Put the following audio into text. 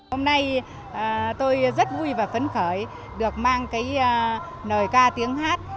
hôm nay tôi rất vui và phấn khởi được mang nời ca tiếng hát